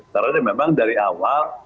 karena memang dari awal